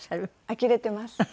あきれてます。